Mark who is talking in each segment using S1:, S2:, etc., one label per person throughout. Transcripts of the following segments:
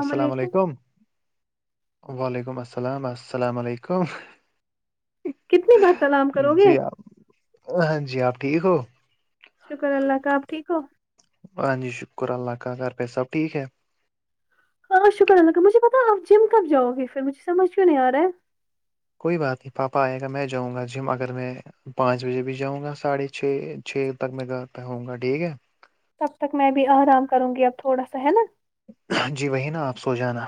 S1: السلام علیکم وعلیکم السلام السلام علیکم
S2: کتنی بار سلام کرو گے
S1: جی آپ ہاں جی آپ ٹھیک ہو
S2: شکر اللہ کا آپ ٹھیک ہو
S1: ہاں جی شکر اللہ کا گھر پہ سب ٹھیک ہے
S2: ہاں شکر اللہ مجھے پتا آپ جم کب جؤ گے پھر مجھے سمجھ کیوں نہیں آ رہا ہے
S1: کوئی بات نہیں پاپا آئے گا میں جؤں گا جم اگر میں پانچ بجے بھی جاؤں گا ساڑھے چھ چھ تک میں گھر پہوں گا ٹھیک ہے
S2: تب تک میں بھی آرام کروں گی اب تھوڑا سا ہے نا
S1: جی وہی نا آپ سو جانا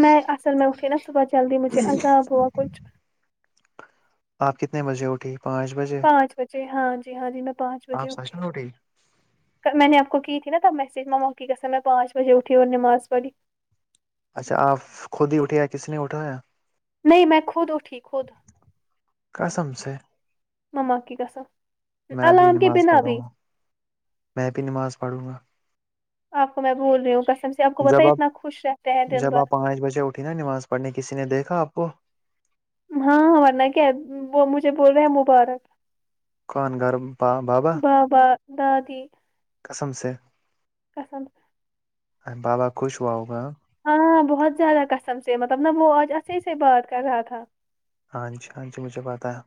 S2: میں اصل میں اٹھی نا صبح جلدی مجھے عذاب ہوا کچھ
S1: آپ کتنے بجے اٹھی پانچ بجے
S2: پانچ بجے ہاں جی ہاں جی میں پانچ بجے
S1: آپ سچ
S2: اٹھی
S1: میں
S2: میں نے آپ کو کی تھی نا تب میں سج موکی کا س میں پانچ بجے اٹھی اور نماز پڑھی
S1: اچھا آپ خود ہی اٹھے یا کسی نے اٹھا یا
S2: نہیں میں خود اٹھی خود
S1: قسم سے
S2: مما کیی گسم
S1: میں بھی
S2: علام کی
S1: نماز
S2: بنا بھی
S1: پڑھوں گا میں بھی نماز پڑھوں گا
S2: آپ کو میں بول رہی ہوں کسم سے آپ کو بت اتنا خوش رہتا ہے دن
S1: جب
S2: بھر
S1: آپ پانچ بجےٹ اٹھی نا نماز پڑھنے کسی نے دیکھا آپ کو
S2: ہاں ہاں ورنہ کیا ہے وہ مجھے بول رہے ہیں مبارک
S1: کون گھر بابا
S2: بابا دادی
S1: قسم سے
S2: پسند
S1: بالااکوش وؤگامؤ
S2: ہاں بہت زیادہ کسم سے مطلب نہ وہ آج ایح سے بات کر رہا تھا
S1: ہاں جی ہاں جی مجھے بتایا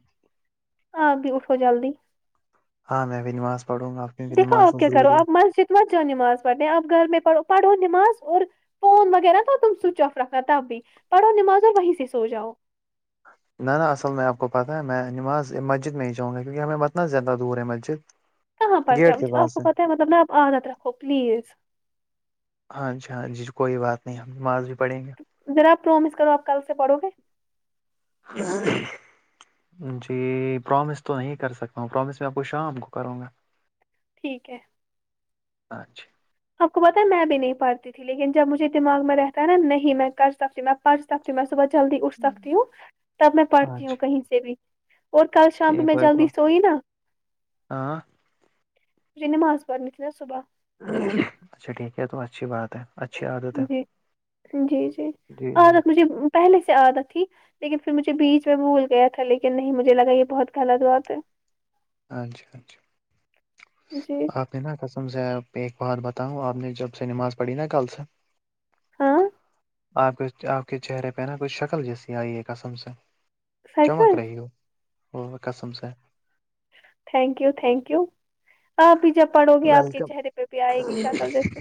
S2: آپ بھی اٹھو جلدی
S1: ہاں میں بھی نماز پڑھوں گا کیونکہ
S2: دیکھو
S1: نماز
S2: آپ کیا کرو
S1: ضروری ہے
S2: آپ مسجد تمچ جاؤ نماز پڑھنے آپ گھر میں پڑھو پڑھو نماز اور فون وغیرہ تھا تم سوئچ آف رکھنا تب بھی پڑھو نماز اور وہیں سے سو جاؤ
S1: ن نا اصل میں آپ کو پتا ہے میں نماز مسجد میں ج چؤں گا کیونکہ ہمیں بتنا زیادہ دور ہے مسجد
S2: کہاں پرس
S1: گیٹ کے
S2: آپ
S1: پاس
S2: کو پتہ ہے مطلب ن آپ عادت رکھو پلیز
S1: ہاں جی ہاں جی کوئی بات نہیں ہم نماز بھی پڑھیں گے
S2: ذاپ پرومس کرو آپ کل سے پڑو گے
S1: ہاں [unintelligible] جی پرومس تو نہیں کر سکتا ہوں پرومس میں آپ کو شام کو کروں گا
S2: ٹھیک ہے
S1: اچھا
S2: آپ کو پتا ہے میں بھی نہیں پڑھتی تھی لیکن جب مجھے دماغ میں رہتا نا نہیں میں کف سے پڑھ سکتی ہوں میں صبح جلدی اٹھ سکتی ہوں تب میں
S1: ہاں
S2: پڑھتی ہوں
S1: جی
S2: کہیں سے بھی اور کل شامت
S1: ٹھیک
S2: میں
S1: ہے
S2: جد
S1: تو
S2: سوئی نا
S1: ہاں
S2: یہج نماز پن ہےا صبح
S1: اچھا ٹھیک ہے تو اچھی بات ہے اچھا
S2: جی جی جی
S1: جی
S2: عادت مجھے پہلے سے عادت تھی لیکن پھر مجھے بیچ میں بھول گیا تھا لیکن نہیں مجھے لگا یہ بہت غلط بات ہے
S1: اچھا
S2: جی
S1: اچھا بنا قسم سے ایک بات بتاؤوں آپ نے جب سے نماز پڑھی نا کل سے
S2: ہاں
S1: آپ کے آپ کے چہرے پہ نا کوھ شکل جیسی آئی ہے قسم سے
S2: سچ
S1: چمک
S2: میں
S1: رہی ہو وہ قسم سے
S2: تھینک یو تھینک یو آپ بھی جب پڑو گے آپ کے
S1: ویلکم
S2: چہرے پہ بھی آئے گی شکل جیسی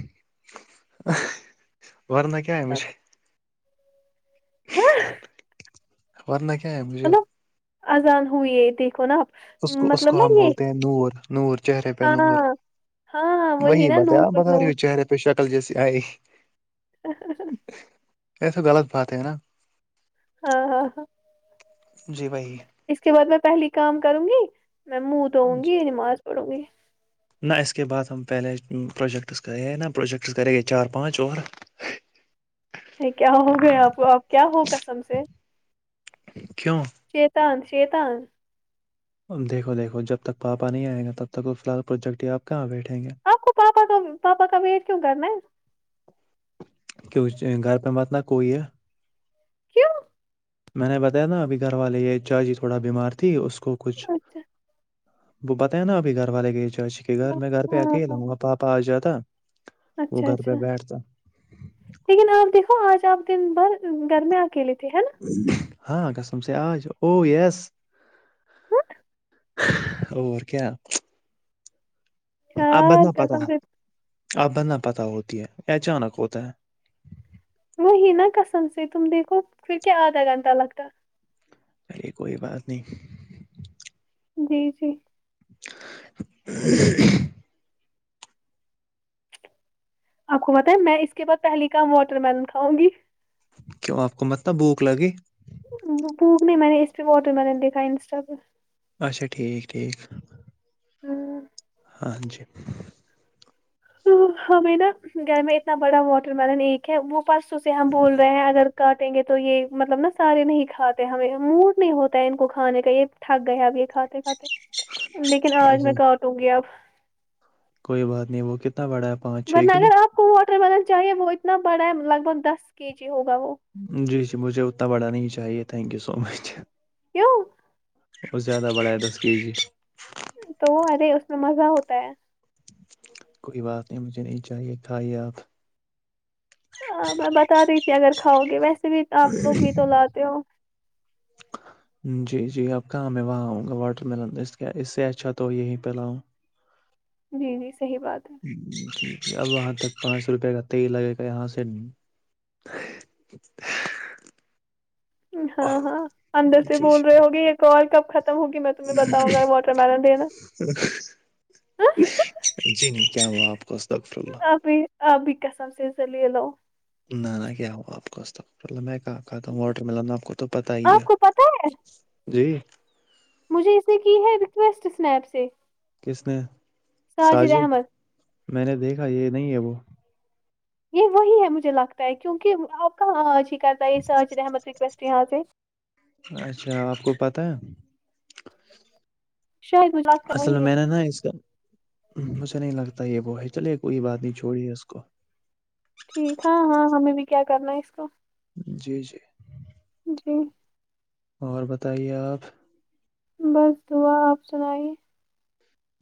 S1: ورنہ کیا ہے مجھے
S2: [unintelligible]
S1: ورننا کیا ہے مجھے
S2: مطلب اذان ہوئی ہے دیکھو نا آپ
S1: اس کو اس
S2: مطلب
S1: کو ہم
S2: نا یہ
S1: بولتے ہیں نور نور چہرے پہ نور
S2: ہاں ہاں
S1: وہی
S2: نا
S1: بتایا
S2: نور
S1: بتا رہی
S2: نور
S1: ہو چہرے پہ پہ شکل جیسی آئے
S2: [inaudible] [unintelligible]
S1: یہ تو غلط بات ہے نا
S2: ہاں ہاں ہاں
S1: جی بھائی
S2: اس کے بعد میں پہلی کام کروں گی میں منہ دھووں
S1: جی
S2: گی نماز پڑوں گی
S1: نہ اس کے بعد ہم پہلے پ پروجیکٹس کرے نا پروجیکٹس کرے گے چار پانچ اور
S2: کیا ہو گیا آپ کیا ہو کسم سے
S1: کیوں
S2: شیتان شیتان
S1: دیکھو دیکھو جب تک پاپا نہیں آئے گا تب تک وہ فلحال پروجیکٹ ہی آپ کہاں بیٹھیں گے
S2: آپ کو پاپا کا پاپا کا ویٹ کیوں کرنا ہے
S1: کیوں گھر پےمتناہ کوئی یہ
S2: کیوں
S1: میں نے بتایا نا ابھی گھر والے یہ چاجی تھوڑا بیمار تھی اس کو کچھ
S2: اچھا
S1: وہ بت ہے نا ابھی گھر والے کے چاچی کے گھر
S2: ہاں
S1: میں گھر پہ
S2: ہاں
S1: اکیلا
S2: ہاں،
S1: آوںں گا پاپا آ جاتا وہ
S2: اچھا
S1: گھر پہ
S2: اچھا
S1: بیٹھتا
S2: لیکن آپ دیکھو آج آپ دن بھر گھرمیں اکیلے تھے ہیں نا
S1: ہاں قسم سے آج او یس اور کیا
S2: نا
S1: اب
S2: یار
S1: بدنا پت
S2: قسم
S1: ہے
S2: سے
S1: اب بدنا پتہ ہوتی ہے اچانک ہوتا ہے
S2: وہی نا کسم سے تم دیکھو کیوں کیا آدھا گھنٹہ لگتا
S1: چلیے کوئی بات نہیں
S2: جی جی
S1: [unintelligible] [inaudible]
S2: آپ کو بتائیں میں اس کے بعد پہلی کام واٹر میلن کاؤں گی
S1: کیوں آپ کو متلب بھوک لگے
S2: وہ بھوک نہیں میں نے اس پہ واٹر میلن دیکھا انسٹا پہ
S1: اچھا ٹھیک ٹھیک
S2: ہوں [unintelligible]
S1: ہاں جی
S2: تو ہمیں نا گھر میں اتنا بڑا واٹر ملن ایک ہے وہ پرسوں سے ہم بول رہے ہیں اگر کاٹیں گے تو یہ مطلب نا سارے نہیں کھاتے ہمیں موڈ نہیں ہوتا ہے ان کو کھانے کا یہ تھٹگ گئے اب یہ کھاتے کھاتے لیکن آج
S1: اچھا
S2: میں کااٹوں گی اب
S1: کوئی بات نہیں وہ کتنا بڑا ہے پانچ چھ
S2: ن
S1: کلو
S2: اگر آپ کو واٹر بینل چاہیے وہ اتنا بڑا ہے لگ بھگ دس کے جی ہوگا وہ
S1: جی جی مجھے اتنا بڑا نہیں چاہیے تھینک یو سو مچ
S2: کیوں
S1: اور زیادہ بڑھیا دس کی جی
S2: تو وہ ارے اس میں مزہ ہوتا ہے
S1: کوئی بات نہیں مجھے نہیں چاہیے کھائیے آپ
S2: ہ میں بتا رہی تھی اگر کھاؤ گے ویسے بھی آپ لوگ بھی تو لاتے ہو
S1: جی جی آپ کہاں میں وہاں آؤں گا واٹر ملن اس اس سے اچھا تو یہی پہلاؤں
S2: جی جی صحیح بات ہے
S1: اب وہاں تک پانچ سو روپیہ کا ت ہی لگے گا یہاں سے [inaudible]
S2: ہاں ہاں اندر سے
S1: جی
S2: بول
S1: جی
S2: رہے ہوگے ایک اور کب خم ہوگی میں تمہیں بتاؤں گا واٹر ملن دینا
S1: جی نہیں کیا ہوا آپ کو ہک فل
S2: ابھی آبھی قسم سے زلیلو
S1: نہ نہ کیا ہو آپ کوس تولہ میں کہ واٹر ملانا آپ کو تو پتا ہی
S2: آپ
S1: ہے
S2: کو پتا ہے
S1: جی
S2: مجھے اسے کی ہے ریکویسٹنیپ سے
S1: کس نے
S2: ساجد
S1: ساجب
S2: احمد
S1: میں نے دیکھا یہ نہیں ہے وہ
S2: یہ وہی ہے مجھے لگتا ہے کیونکہ آپ کہاں آج ہی کرتا ہے اس آج احمد ریکویسٹ یہاں سے
S1: اچھا آپ کو پتاہ ہے
S2: ش گات
S1: اصل میں میں نے نا اس کا مجھے نہیں لگتا یہ وہ ہے چلے کوئی بات نہیں چھوڑی ہے اس کو
S2: ٹھیک ہاں ہاں ہمیں بھی کیا کرنا ہے اس کو
S1: جی جی
S2: جی
S1: اور بتائیے آپ
S2: بس دعا آپ سنائی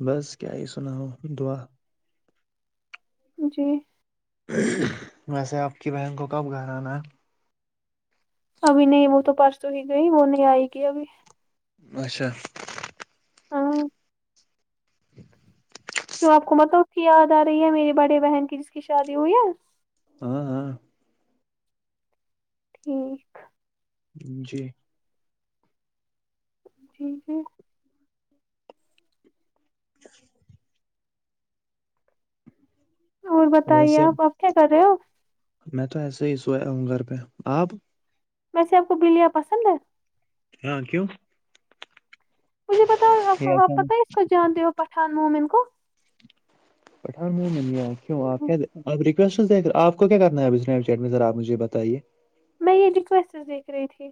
S1: بس کیا ہی سناؤ دعا
S2: جی
S1: ویسے آپ کی بہن کو کب گھرانا ہے
S2: ابھی نہیں وہ تو پرسوں ہی گئی وہ نہیں آئے گی ابھی
S1: اچھا
S2: ہاں کیوں آپ کو مطلب ا کی یاد آ رہی ہے میری بڑے بہن کی جس کی شادی ہوئی ہے
S1: ہاں ہاں
S2: ٹھیک
S1: جی
S2: جٹییک ہے
S1: [inaudible]
S2: اور بتائیے
S1: ویسے
S2: آپ آپ کیا کر رہے ہو
S1: میں تو ایسے ہی سویا ہوں گھر پہ آپ
S2: ویسے آپ کو بلیاں پسند ہے
S1: ہاں کیوں
S2: مجھے پتا آپ
S1: یہ
S2: آپ پتہ
S1: اچانک
S2: ہے اس کو جانتے ہو پٹھ مومن کو
S1: پٹھان میں کیوں آپ آپ آپ کو کیا کرنا ہے میں سرپجھے بتائیے
S2: میں یہ ریکویسٹ دیکھ رہی تھی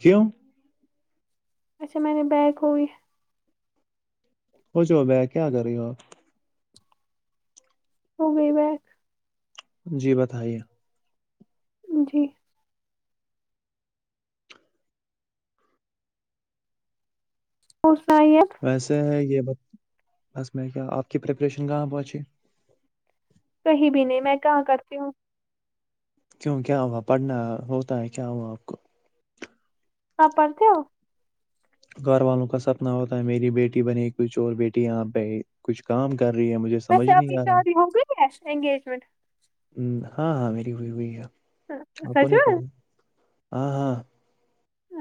S1: کیوں
S2: اچھا میں نے بیگ ہوئی
S1: ہو جوو میں کیا کر رہی ہووں
S2: ہوگئی
S1: جی بتائیے
S2: جی پسائیت
S1: ویسے ہے یہ بس میں کیا آپ کی پریپریشن کہاں پہنچی
S2: کہیں بھی نہیں میں کہاں کرتی ہوں
S1: کیوں کیا ہوا پڑھنا ہوتا ہے کیا ہوا آپ کو
S2: آپ پڑھتے ہو
S1: گھر والوں کا سپنا ہوتا ہے میری بیٹی بنی کچھ اور بیٹی یہاں پہ کچھ کام کر رہی ہے مجھے سمجھ
S2: ویسے آپ
S1: نہیں
S2: کی
S1: آ رہا
S2: شادی ہو گئی ہے انگیجمنٹ
S1: ہ ہاں ہاں میری ہوئی ہوئی ہے آپ کو
S2: سچ
S1: نہیں
S2: میں
S1: پتا ہاں ہاں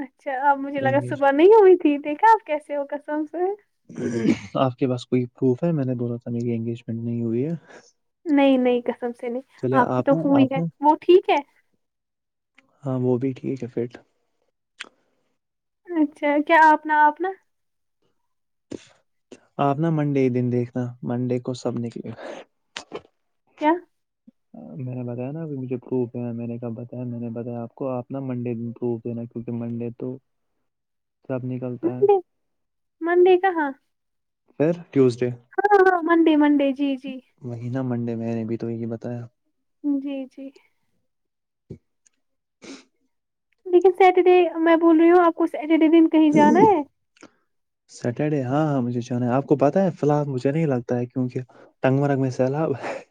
S2: اچھا اب مجھے لگا
S1: انگیج
S2: صبح نہیں ہوئی تھی دیکھا آپ کیسے ہو کسم سے
S1: آپ کے پاس کوئی پروف ہے میں نے د ر تھا میری انگیجمنٹ نہیں ہوئی ہے
S2: نہیں نہیں کسم سے نہیں
S1: چلے
S2: آپ کی تو
S1: نا
S2: ہوئی
S1: آپ
S2: ہے
S1: نا
S2: وہ ٹھیک ہے
S1: ہاں وہ بھی ٹھیک ہے پھرٹ
S2: اچھا کیا آپ نے آپ نا
S1: آپ نا منڈے کے دن دیکھنا منڈے کو سب نے
S2: کیا
S1: میں نے بتایا نا ا مجھے پروف ہے میں نے کب بتایا میں نے بتایا آپ کو آ نا منڈے دن پروف نا منڈے تو
S2: [inaudible] [unintelligible]
S1: سب نکلتا ہے
S2: منڑے کہاں
S1: پھر ٹیوزڈے
S2: ہاں ہاں منڈے منڈے جی جی
S1: وہی نا منڈے میں نے بھی تو یہی بتایا
S2: جی جی لیکن سیٹرڈے میں بول رہی ہوں آپ کو سیٹرڈے دن کہیں جانا ہے
S1: سیٹرڈے ہاں ہاں مجھے جاننا ہے آپ کو پتہ ہے فی الحال مجھے نہیں لگتا کیونکہ ٹگ مرگ میںسلا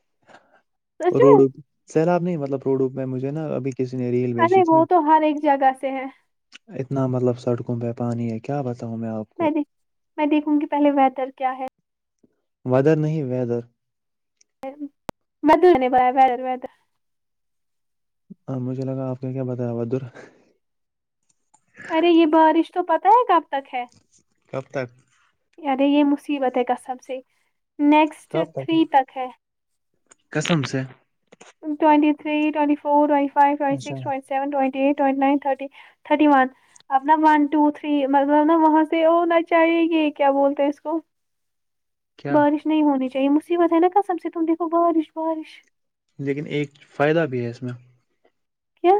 S2: [unintelligible] [inaudible] میں
S1: روڈو سیلاب نہیں مطلب روڈوپ میں مجھے نا ابھی کسی نے ریل
S2: ارے
S1: بیچی تھی
S2: وہ تو ہر ایک جگہ سے ہے
S1: اتنا مطلب سڑکوں پہ پانی ہے کیا بتاؤں میں آپ کو
S2: میں میں دیکھوں گی پہلے ویدر کیا ہے
S1: ویدر نہیں ویدر
S2: بدل نہیں پایا ودر ودر
S1: ہاں مجھے لگا آپ نے کیا بتایا بہادر
S2: ارے یہ بارش تو پتہ ہے کب تک ہے
S1: کب تک
S2: یرے یہ مصیبت ہے کا سب سے نیکسٹ تھری تک ہے
S1: قسم سے
S2: ٹئٹی three twenty four twenty five twenty
S1: اچھا
S2: six twenty seven twenty eight twenty nine thirty thirty و اب ن ون ٹو تھری مطلب نا وہاں سے ہونا چاہیے گ کیا بولتے ہیں اس کو
S1: کیا
S2: بارش نہیں ہونی چاہیے مصیبت ہے نا قسم سے ت دیکھو بارش بارش
S1: لیکن ایک فائدہ بھی ہے اس میں
S2: کیا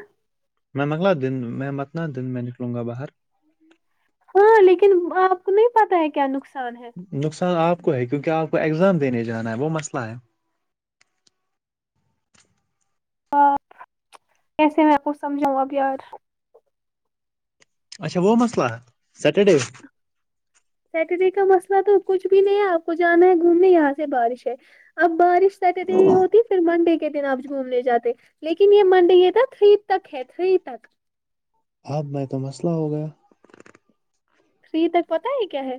S1: م منگلا دن میں متنا دن میں نکلوں گا باہر
S2: ہاں لیکن آپ کو نہیں پتا ہے کیا نقصان ہے
S1: نقصان آپ کو ہے کیونکہ آپ کو اگزام دینے جانا ہے وہ مسئلہ ہے
S2: ہپ ایسے میں آ کو سمجھوںں اب یار
S1: اچا وہ مسئلہ سیٹرڈے
S2: سٹرجی کا مسئلہ تو کچھ بھی نہیں ہے آپ کو جانا ہے گھومنے یہاں سے بارش ہے اب بارش ہوتی پھر منڈے دن آپ گھومنے جاتے لیکن یہ منڈے یہ تھا تھری تک ہے تھری تک
S1: بد میں تو مسئلہ ہو گیا
S2: فری تک پتا ہے کیا ہے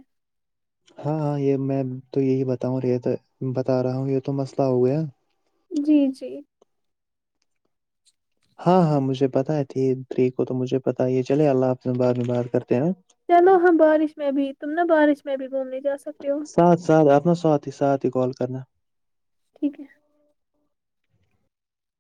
S1: ہاں ہاں یہ میں تو یہی بتاؤں ریت بتا رہا ہوں یہ تو مسئلہ ہو گیا
S2: جی جی
S1: ہاں ہاں مجھے پتا ہے ت تری کو تو مجھے پتہ ہے یہ چلے اللہ اپنے بار میں بات کرتے ہیںا
S2: چلو ہاں بارش میں بھی تم نا بارش میں بھی گھومنے جا سکتے ہو
S1: ساتھ ساتھ اپنا ساتھ ہی ساتھ ہی کال کرنا
S2: ٹھیک ہے